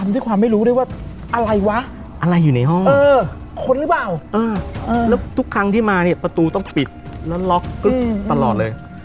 ทุกครั้งที่มาเนี่ยประตูต้องปิดแล้วล็อกตลอดเลย